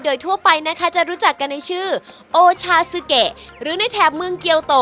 โดยทั่วไปนะคะจะรู้จักกันในชื่อโอชาซูเกะหรือในแถบเมืองเกียวโต